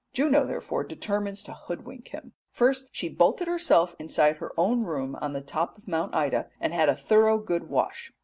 Juno therefore determines to hoodwink him. First she bolted herself inside her own room on the top of Mount Ida and had a thorough good wash.